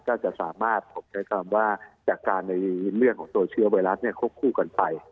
ก็จะสามารถผมใช้คำว่าจากการในเรื่องของตัวเชื้อไวรัสเนี่ยควบคู่กันไป